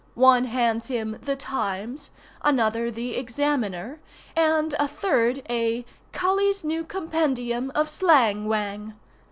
One hands him the "Times," another the "Examiner" and a third a "Culley's New Compendium of Slang Whang."